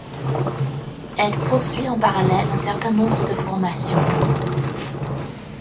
Elle poursuit en parallèle un certain nombre de formations.